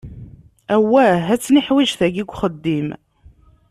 Awwah ad tt-niḥwiǧ tagi deg uxeddim.